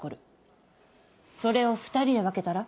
それを２人で分けたら？